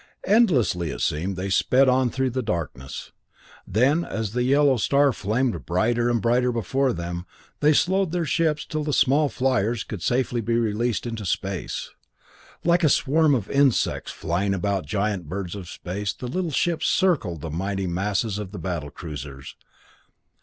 Endlessly, it seemed, they sped on through the darkness. Then as the yellow star flamed brighter and brighter before them, they slowed their ships till the small fliers could safely be released into space. Like a swarm of insects flying about giant birds of space the little ships circled the mighty masses of the battle cruisers.